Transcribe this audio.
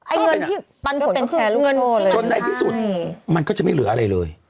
เงินที่ปันผลเป็นแสนเงินจนในที่สุดมันก็จะไม่เหลืออะไรเลย